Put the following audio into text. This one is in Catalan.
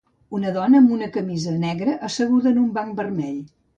Una dona amb una camisa negra asseguda en un banc vermell.